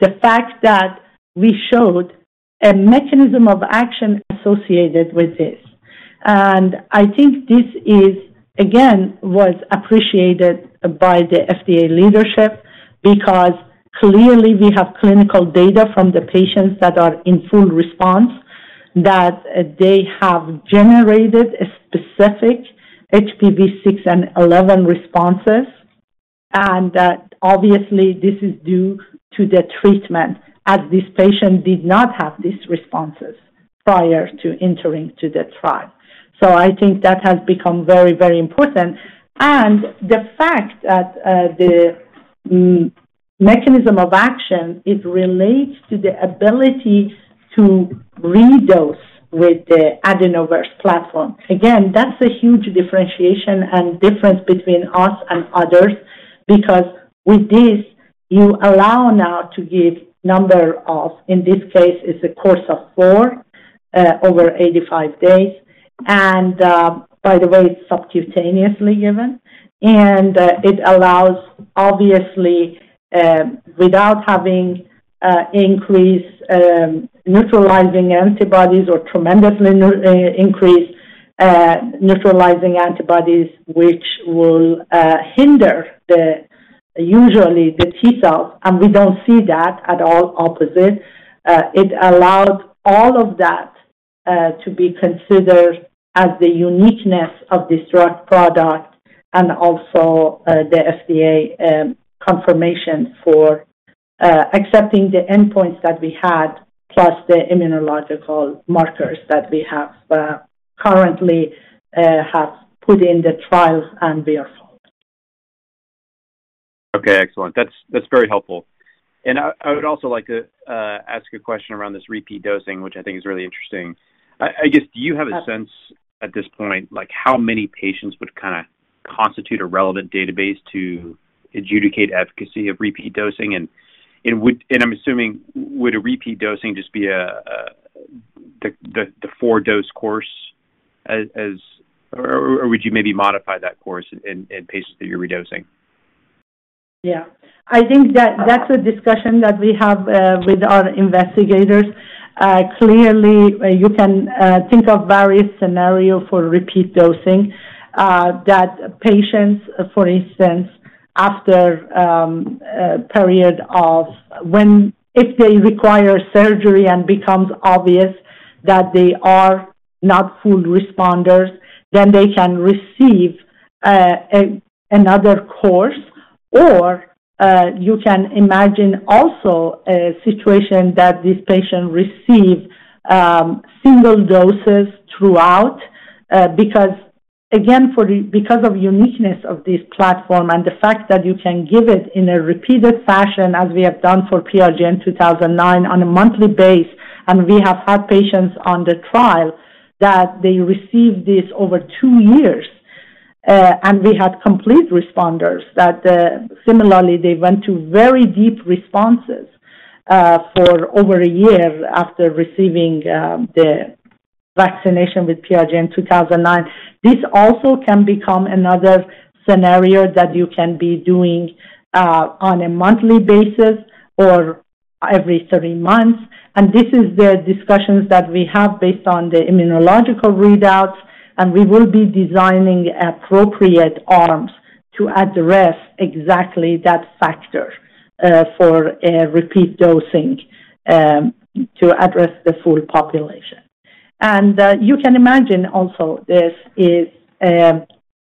Speaker 3: the fact that we showed a mechanism of action associated with this, and I think this is, again, was appreciated by the FDA leadership, because clearly we have clinical data from the patients that are in full response, that they have generated a specific HPV 6 and 11 responses, and that obviously this is due to the treatment, as this patient did not have these responses prior to entering to the trial. I think that has become very, very important. The fact that the mechanism of action, it relates to the ability to redose with the AdenoVerse platform. That's a huge differentiation and difference between us and others, because with this, you allow now to give number of, in this case, it's a course of four, over 85 days, and by the way, it's subcutaneously given. It allows obviously, without having increased neutralizing antibodies or tremendously increase neutralizing antibodies, which will hinder the usually the T-cells, and we don't see that at all, opposite. It allowed all of that-... to be considered as the uniqueness of this drug product and also, the FDA confirmation for accepting the endpoints that we had, plus the immunological markers that we have currently have put in the trials and verified.
Speaker 8: Okay, excellent. That's, that's very helpful. I would also like to ask a question around this repeat dosing, which I think is really interesting. I guess, do you have a sense at this point, like, how many patients would kind of constitute a relevant database to adjudicate efficacy of repeat dosing? I'm assuming, would a repeat dosing just be the 4-dose course as, as or would you maybe modify that course in, in patients that you're redosing?
Speaker 3: Yeah. I think that that's a discussion that we have with our investigators. Clearly, you can think of various scenario for repeat dosing that patients, for instance, after period of when if they require surgery and becomes obvious that they are not full responders, then they can receive another course. You can imagine also a situation that this patient receives single doses throughout because, again, because of uniqueness of this platform and the fact that you can give it in a repeated fashion, as we have done for PRGN-2009, on a monthly base, and we have had patients on the trial that they received this over two years. We had complete responders that, similarly, they went to very deep responses, for over a year after receiving the vaccination with PRGN-2009. This also can become another scenario that you can be doing on a monthly basis or every three months, and this is the discussions that we have based on the immunological readouts, and we will be designing appropriate arms to address exactly that factor for a repeat dosing to address the full population. You can imagine also this is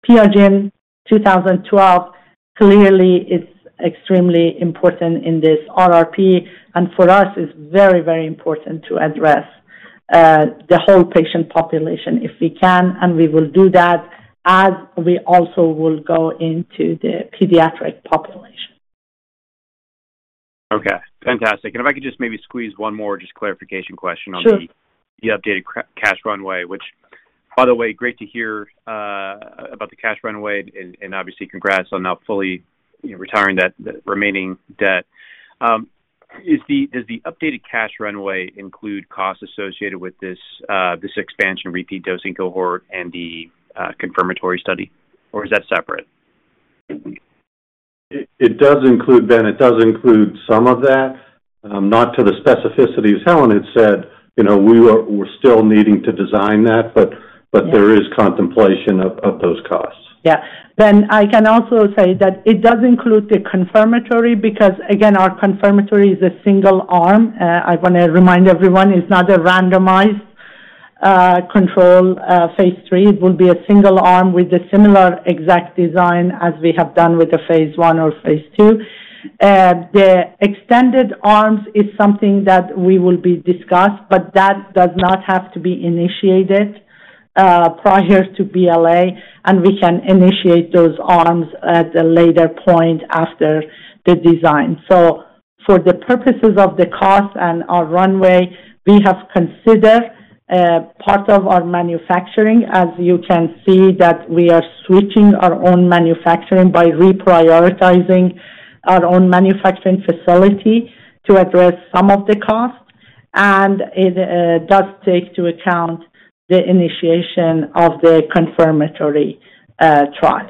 Speaker 3: PRGN-2012 clearly is extremely important in this RRP, and for us, it's very, very important to address the whole patient population if we can, and we will do that as we also will go into the pediatric population.
Speaker 8: Okay, fantastic. If I could just maybe squeeze one more just clarification question on the-
Speaker 3: Sure.
Speaker 8: The updated cash runway, which by the way, great to hear about the cash runway and, obviously congrats on now fully, you know, retiring that, the remaining debt. Does the updated cash runway include costs associated with this expansion repeat dosing cohort and the confirmatory study, or is that separate?
Speaker 4: It, it does include, Ben, it does include some of that, not to the specificity as Helen had said. You know, we are, we're still needing to design that, but-
Speaker 3: Yeah.
Speaker 4: There is contemplation of, of those costs.
Speaker 3: Yeah. Ben, I can also say that it does include the confirmatory, because, again, our confirmatory is a single arm. I want to remind everyone it's not a randomized control phase III. It will be a single arm with a similar exact design as we have done with the phase I or phase II. The extended arms is something that we will be discussed, but that does not have to be initiated prior to BLA, and we can initiate those arms at a later point after the design. For the purposes of the cost and our runway, we have considered part of our manufacturing, as you can see, that we are switching our own manufacturing by reprioritizing our own manufacturing facility to address some of the costs, and it does take into account the initiation of the confirmatory trial.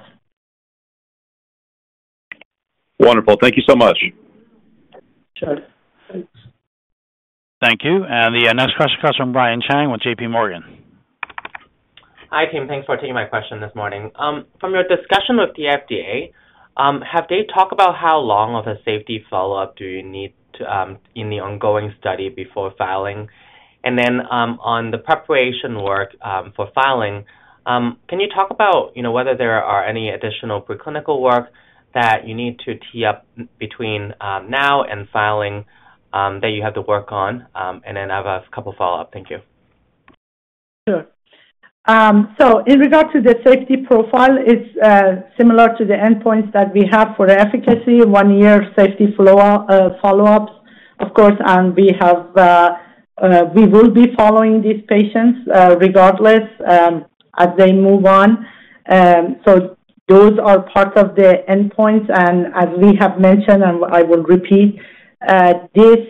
Speaker 8: Wonderful. Thank you so much.
Speaker 3: Sure. Thanks.
Speaker 1: Thank you. The next question comes from Brian Cheng with JPMorgan.
Speaker 9: Hi, team. Thanks for taking my question this morning. From your discussion with the FDA, have they talked about how long of a safety follow-up do you need to in the ongoing study before filing? On the preparation work for filing, can you talk about, you know, whether there are any additional preclinical work that you need to tee up between now and filing that you have to work on? I have a couple follow-up. Thank you.
Speaker 3: Sure. In regard to the safety profile, it's similar to the endpoints that we have for efficacy, one year safety follow-ups, of course, and we have, we will be following these patients regardless, as they move on. Those are part of the endpoints, and as we have mentioned, and I will repeat, this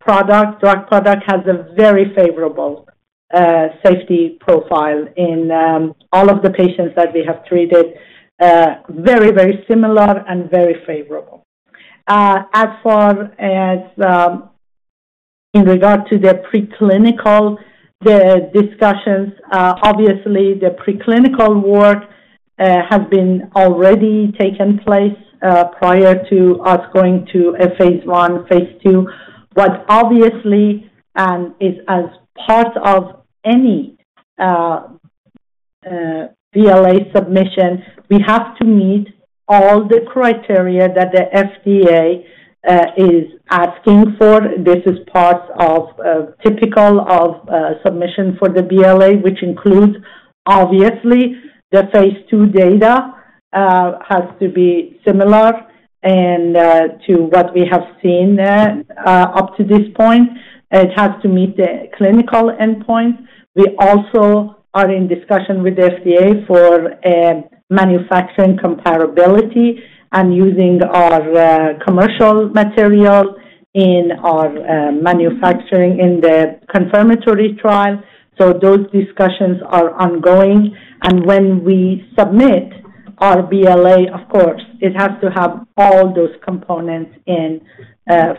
Speaker 3: product, drug product has a very favorable safety profile in all of the patients that we have treated. Very, very similar and very favorable. As far as in regard to the preclinical, the discussions, obviously, the preclinical have been already taken place prior to us going to a phase one, phase two. Obviously, as part of any BLA submission, we have to meet all the criteria that the FDA is asking for. This is part of typical of submission for the BLA, which includes, obviously, the phase II data has to be similar and to what we have seen up to this point. It has to meet the clinical endpoint. We also are in discussion with the FDA for manufacturing comparability and using our commercial material in our manufacturing, in the confirmatory trial. Those discussions are ongoing, and when we submit our BLA, of course, it has to have all those components in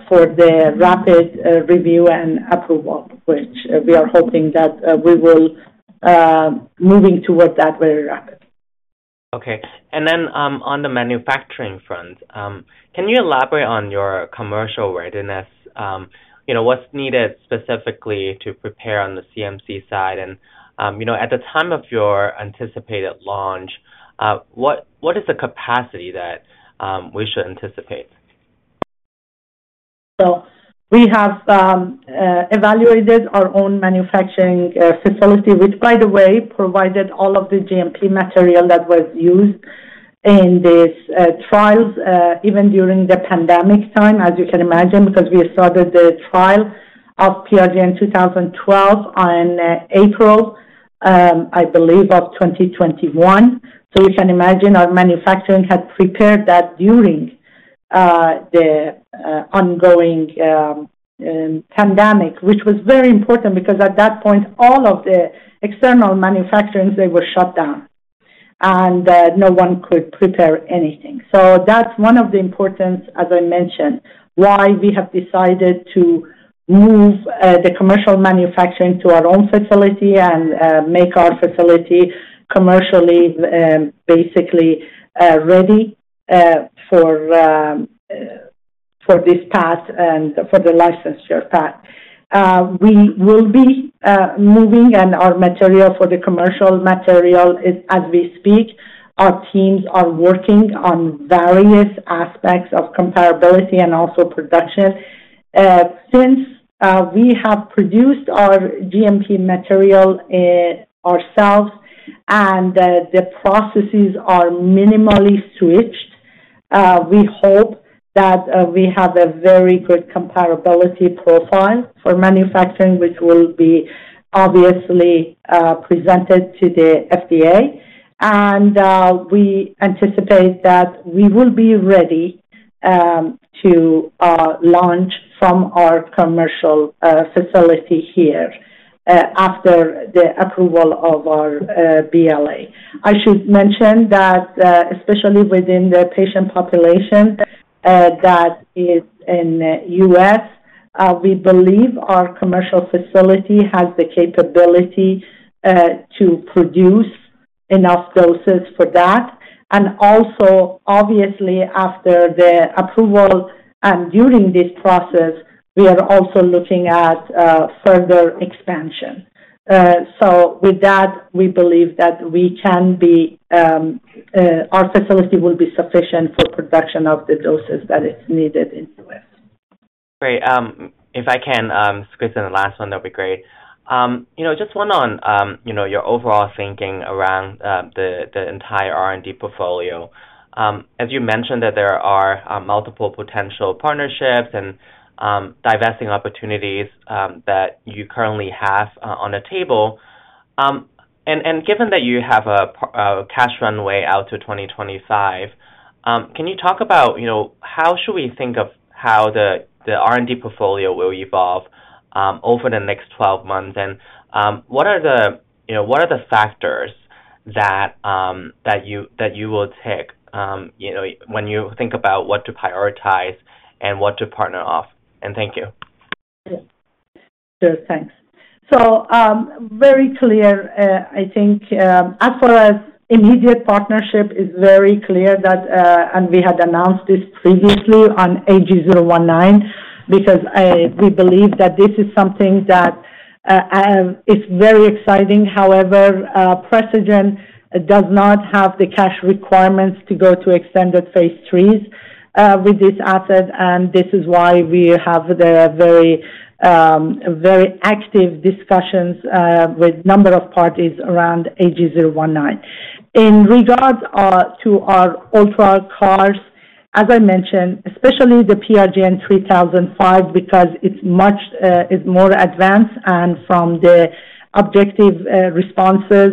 Speaker 3: for the rapid review and approval, which we are hoping that we will moving towards that very rapid.
Speaker 9: Okay. Then, on the manufacturing front, can you elaborate on your commercial readiness? You know, what's needed specifically to prepare on the CMC side? You know, at the time of your anticipated launch, what, what is the capacity that we should anticipate?
Speaker 3: We have evaluated our own manufacturing facility, which, by the way, provided all of the GMP material that was used in these trials, even during the pandemic time, as you can imagine, because we started the trial of PRGN-2012 on April, I believe, of 2021. You can imagine our manufacturing had prepared that during the ongoing pandemic, which was very important, because at that point, all of the external manufacturing, they were shut down and no one could prepare anything. That's one of the importance, as I mentioned, why we have decided to move the commercial manufacturing to our own facility and make our facility commercially, basically, ready for this path and for the licensure path. We will be moving, and our material for the commercial material is as we speak, our teams are working on various aspects of comparability and also production. Since we have produced our GMP material ourselves and the processes are minimally switched, we hope that we have a very good comparability profile for manufacturing, which will be obviously presented to the FDA. We anticipate that we will be ready to launch from our commercial facility here after the approval of our BLA. I should mention that especially within the patient population that is in U.S., we believe our commercial facility has the capability to produce enough doses for that. Also, obviously, after the approval and during this process, we are also looking at further expansion. With that, we believe that we can be, our facility will be sufficient for production of the doses that is needed in U.S.
Speaker 9: Great. If I can squeeze in the last one, that'd be great. You know, just one on, you know, your overall thinking around the, the entire R&D portfolio. As you mentioned, that there are multiple potential partnerships and divesting opportunities that you currently have on the table. Given that you have a cash runway out to 2025, can you talk about, you know, how should we think of how the, the R&D portfolio will evolve over the next 12 months? What are the, you know, what are the factors that you, that you will take, you know, when you think about what to prioritize and what to partner off? Thank you.
Speaker 3: Thanks. Very clear, I think, as far as immediate partnership, is very clear that, and we had announced this previously on AG019, because we believe that this is something that is very exciting. However, Precigen does not have the cash requirements to go to extended phase III with this asset, and this is why we have the very active discussions with number of parties around AG019. In regards to our UltraCAR-T, as I mentioned, especially the PRGN-3005, because it's much, it's more advanced, and from the objective responses,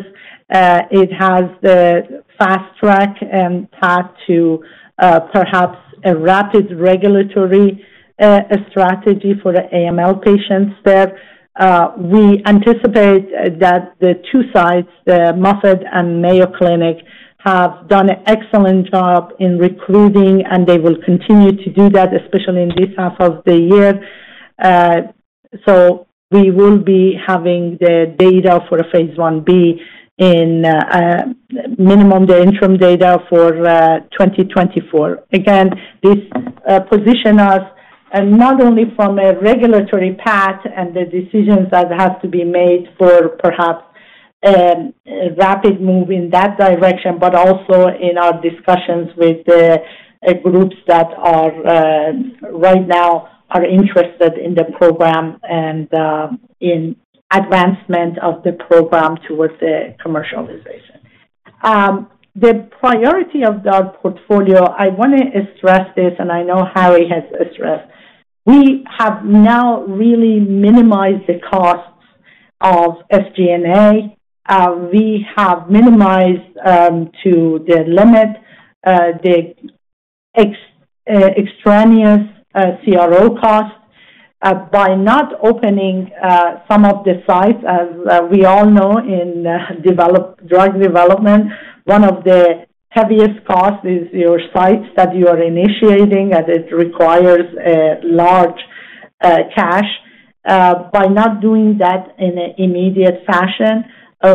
Speaker 3: it has the Fast Track and path to perhaps a rapid regulatory strategy for the AML patients there. We anticipate that the two sites, the Moffitt and Mayo Clinic, have done an excellent job in recruiting, and they will continue to do that, especially in this half of the year. We will be having the data for a phase Ib in minimum the interim data for 2024. Again, this position us and not only from a regulatory path and the decisions that have to be made for perhaps a rapid move in that direction, but also in our discussions with the groups that are right now are interested in the program and in advancement of the program towards the commercialization. The priority of our portfolio, I want to stress this, and I know Harry has stressed, we have now really minimized the costs of SG&A. We have minimized to the limit the extraneous CRO costs by not opening some of the sites. As we all know, in drug development, one of the heaviest costs is your sites that you are initiating, as it requires a large cash. By not doing that in an immediate fashion,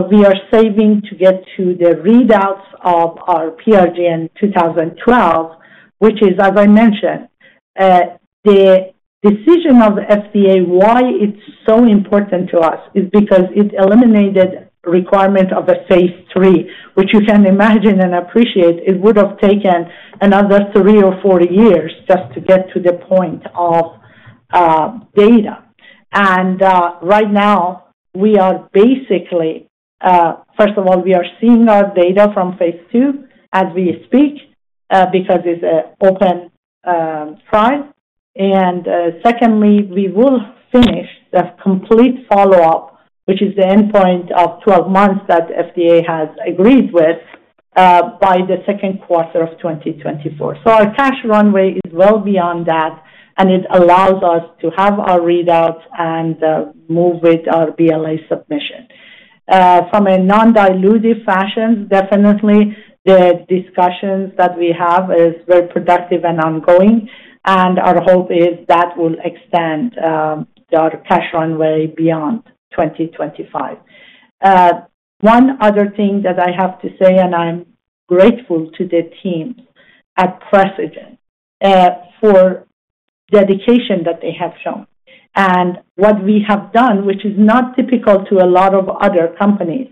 Speaker 3: we are saving to get to the readouts of our PRGN-2012, which is, as I mentioned, the decision of FDA, why it's so important to us, is because it eliminated requirement of a phase III, which you can imagine and appreciate, it would have taken another 3 or 4 years just to get to the point of data. Right now, we are basically. First of all, we are seeing our data from phase II as we speak, because it's an open trial. Secondly, we will finish the complete follow-up, which is the endpoint of 12 months that FDA has agreed with, by the 2nd quarter of 2024. Our cash runway is well beyond that, and it allows us to have our readouts and move with our BLA submission. From a non-dilutive fashion, definitely the discussions that we have is very productive and ongoing, and our hope is that will extend our cash runway beyond 2025. One other thing that I have to say, and I'm grateful to the team at Precigen, for dedication that they have shown. What we have done, which is not typical to a lot of other companies,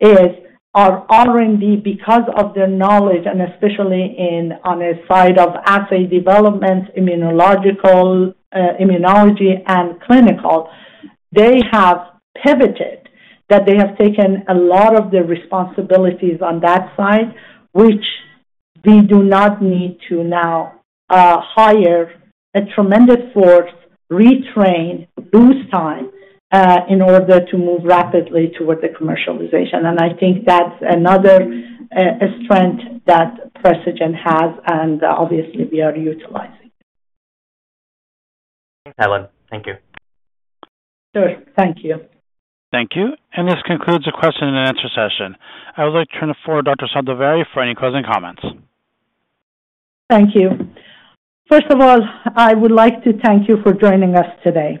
Speaker 3: is our R&D, because of their knowledge, and especially in, on a side of assay development, immunological, immunology, and clinical, they have pivoted, that they have taken a lot of the responsibilities on that side, which we do not need to now, hire a tremendous force, retrain, lose time, in order to move rapidly towards the commercialization. I think that's another, strength that Precigen has, and obviously we are utilizing.
Speaker 9: Helen, thank you.
Speaker 3: Sure. Thank you.
Speaker 1: Thank you. This concludes the question and answer session. I would like to turn to forward Dr. Sabzevari for any closing comments.
Speaker 3: Thank you. First of all, I would like to thank you for joining us today.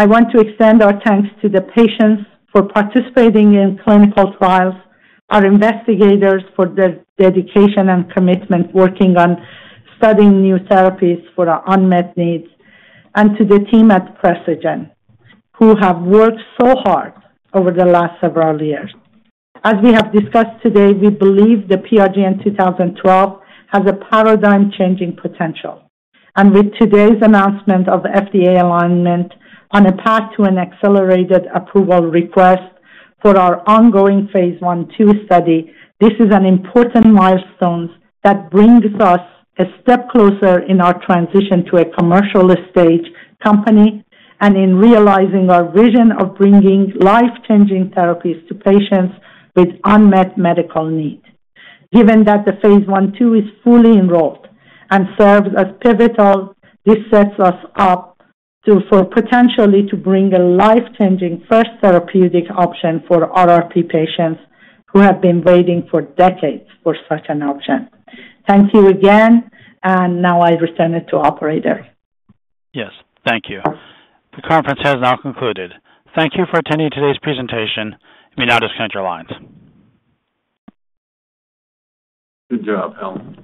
Speaker 3: I want to extend our thanks to the patients for participating in clinical trials, our investigators for their dedication and commitment, working on studying new therapies for our unmet needs, and to the team at Precigen, who have worked so hard over the last several years. As we have discussed today, we believe the PRGN-2012 has a paradigm-changing potential. With today's announcement of FDA alignment on a path to an accelerated approval request for our phase I, II study, this is an important milestone that brings us a step closer in our transition to a commercial-stage company and in realizing our vision of bringing life-changing therapies to patients with unmet medical needs. Given that phase I, II is fully enrolled and serves as pivotal, this sets us up to, for potentially to bring a life-changing first therapeutic option for RRP patients who have been waiting for decades for such an option. Thank you again. Now I return it to operator.
Speaker 1: Yes, thank you. The conference has now concluded. Thank you for attending today's presentation. You may now disconnect your lines.